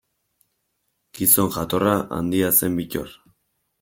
Gizon jatorra, handia zen Bittor.